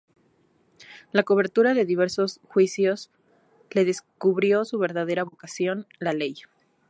La cobertura de diversos juicios le descubrió su verdadera vocación: la ley.